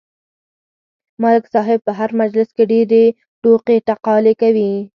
ملک صاحب په هر مجلس کې ډېرې ټوقې ټکالې کوي.